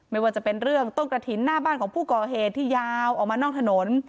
ไม่ว่าจะเป็นเรื่องต้นกระถิ่นหน้าบ้านของผู้ก่อเหตุที่ยาวออกมานอกถนน